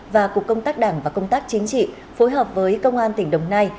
và cục công tác đảng và công tác chính trị phối hợp với công an tỉnh đồng nai